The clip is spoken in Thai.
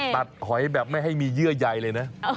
หอยแบบไม่ให้มีเยื่อใยเลยนะ